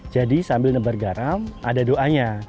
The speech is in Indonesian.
jadi sambil menabur garam ada doanya